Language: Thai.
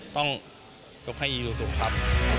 ต้องยกให้อียูสุครับ